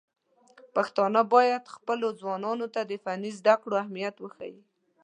پښتانه بايد خپلو ځوانانو ته د فني زده کړو اهميت وښيي.